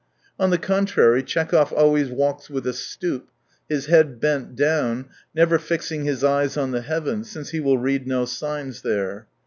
On the contrary, Tchekhov always walks with a stoop^ his head bent down, never fixing his eyes on the heavens, since he will read no signs there.